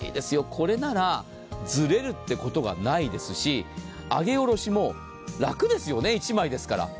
これならずれるってことがないし、上げ下ろしも楽ですよね、１枚ですから。